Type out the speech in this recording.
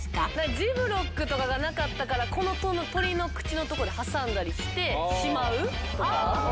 ジップロックとかがなかったから、この鳥の口のとこで挟んだりしてしまう。